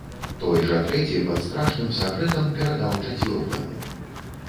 Той жа трэці пад страшным сакрэтам перадаў чацвёртаму.